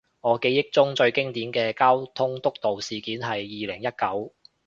我記憶中最經典嘅交通督導事件係二零一九